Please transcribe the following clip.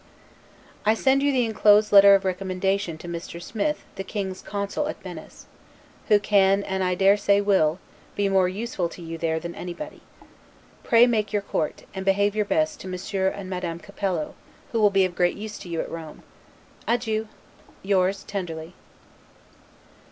I send you the inclosed letter of recommendation to Mr. Smith the King's Consul at Venice; who can, and I daresay will, be more useful to you there than anybody. Pray make your court, and behave your best, to Monsieur and Madame Capello, who will be of great use to you at Rome. Adieu! Yours tenderly.